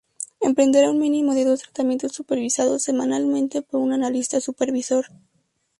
Emprenderá un mínimo de dos tratamientos supervisados semanalmente por un analista supervisor.